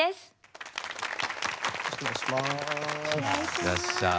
いらっしゃい。